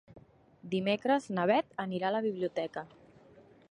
Dimecres na Beth anirà a la biblioteca.